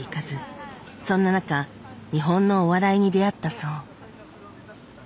そんな中日本のお笑いに出会ったそう。